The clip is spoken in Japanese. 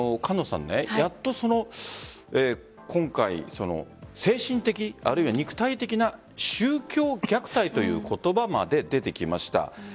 やっと今回精神的、あるいは肉体的な宗教虐待という言葉まで出てきました。